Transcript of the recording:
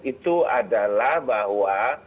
itu adalah bahwa